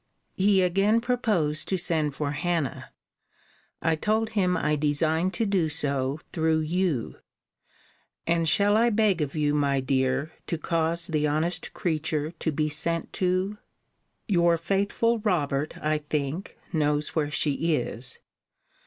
He again proposed to send for Hannah. I told him I designed to do so, through you And shall I beg of you, my dear, to cause the honest creature to be sent to? Your faithful Robert, I think, knows where she is.